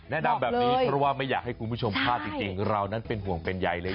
แนะนำแบบนี้เพราะว่าไม่อยากให้คุณผู้ชมพลาดจริงเรานั้นเป็นห่วงเป็นใยเลย